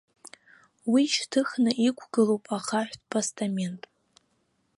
Уи шьҭыхны иқәгылоуп ахаҳәтә постамент.